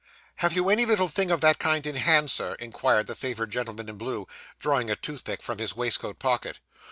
'Have you any little thing of that kind in hand, sir?' inquired the favoured gentleman in blue, drawing a toothpick from his waistcoat pocket.